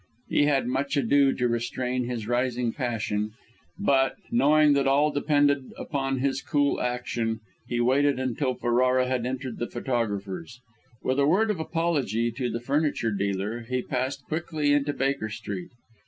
He had much ado to restrain his rising passion; but, knowing that all depended upon his cool action, he waited until Ferrara had entered the photographer's. With a word of apology to the furniture dealer, he passed quickly into Baker Street.